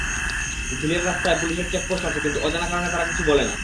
ঝিলের রাস্তায় পুলিশের চেকপোস্ট আছে, কিন্তু অজানা কারণে তারা কিছু বলে না।